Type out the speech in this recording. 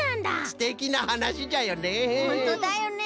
すてきなはなしじゃよね。